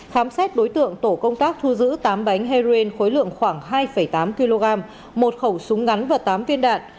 khám xét đối tượng tổ công tác thu giữ tám bánh heroin khối lượng khoảng hai tám kg một khẩu súng ngắn và tám viên đạn